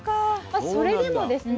それでもですね